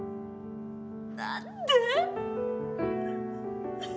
何で。